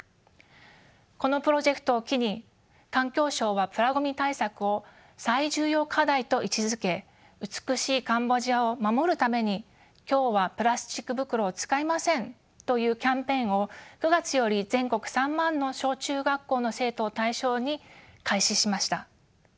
このプロジェクトを機に環境省はプラごみ対策を最重要課題と位置づけ美しいカンボジアを守るために「今日はプラスチック袋を使いません！」というキャンペーンを９月より全国３万の小中学校の生徒を対象に開始しました。